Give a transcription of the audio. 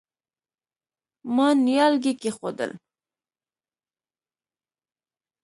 ما نيالګي کېښوول.